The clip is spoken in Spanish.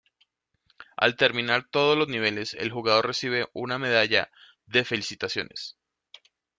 Al terminar todos los niveles el jugador recibe una medalla de felicitaciones.